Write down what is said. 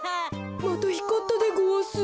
またひかったでごわす。